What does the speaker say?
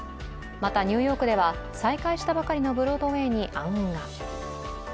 またニューヨークでは再開したばかりのブロードウェイに暗雲が。